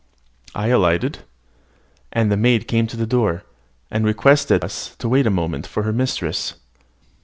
I alighted; and a maid came to the door, and requested us to wait a moment for her mistress.